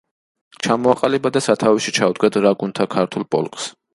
ჩამოაყალიბა და სათავეში ჩაუდგა დრაგუნთა ქართულ პოლკს.